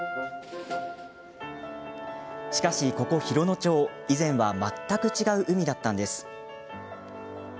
しかし、ここ洋野町以前は全く違う海だったんです。